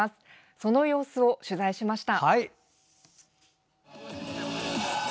その様子を取材しました。